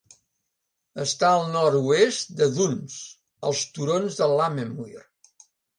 Està al nord-oest de Duns, als turons de Lammermuir.